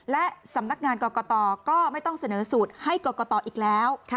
และสำนักงานกรกตก็ไม่ต้องเสนอสูตรให้กรกตอีกแล้ว